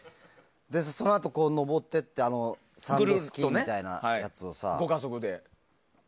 そのあと上っていってサンドスキーみたいなやつをさ。